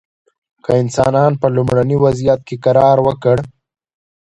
که انسانان په لومړني وضعیت کې قرار ورکړو.